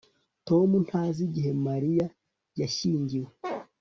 tom ntazi igihe mariya yashyingiwe